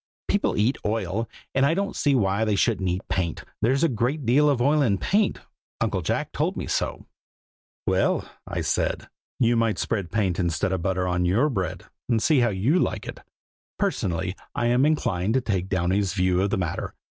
People eat oil, and I don't see why they shouldn't eat paint; there's a great deal of oil in paint, Uncle Jack told me so." "Well," I said, "you might spread paint instead of butter on your bread, and see how you like it. Personally, I am inclined to take Downy's view of the matter.